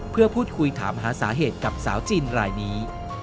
เพื่อพูดคุยถามหาสาเหตุกับสาวจีนรายนี้